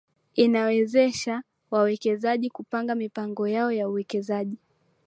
inawawezesha wawekezaji kupanga mipango yao ya uwekezaji